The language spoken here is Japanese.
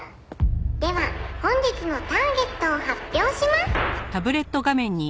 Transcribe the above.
「では本日のターゲットを発表します！」